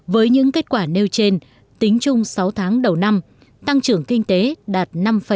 với những kết quả nêu trên tính chung sáu tháng đầu năm tăng trưởng kinh tế đạt năm bảy mươi ba